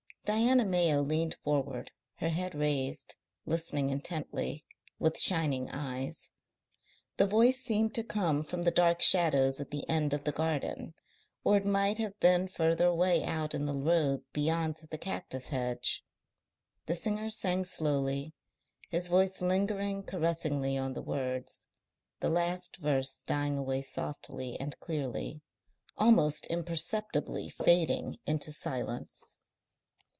Diana Mayo leaned forward, her head raised, listening intently, with shining eyes. The voice seemed to come from the dark shadows at the end of the garden, or it might have been further away out in the road beyond the cactus hedge. The singer sang slowly, his voice lingering caressingly on the words; the last verse dying away softly and clearly, almost imperceptibly fading into silence.